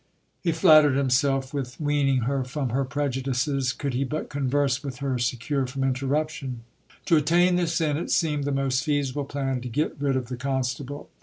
He flattered himself with weaning her from her prejudices, could he but converse with her secure from interruption. To attain this end, it seemed the most feasible plan to get rid of the constable.